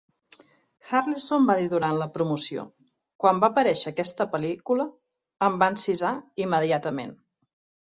Harrelson va dir durant la promoció: Quan va aparèixer aquesta pel·lícula, em va encisar immediatament.